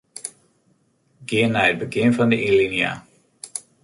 Gean nei it begjin fan alinea.